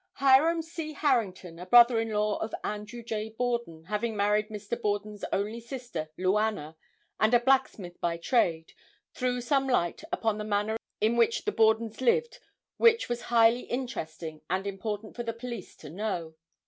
Hiram C. Harrington a brother in law of Andrew J. Borden having married Mr. Borden's only sister, Luanna, and a blacksmith by trade, threw some light upon the manner in which the Borden's lived which was highly interesting and important for the police to know.